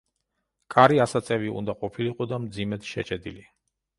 კარი ასაწევი უნდა ყოფილიყო და მძიმედ შეჭედილი.